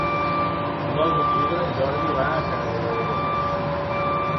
El nou d'octubre en Jordi va a Sant Adrià de Besòs.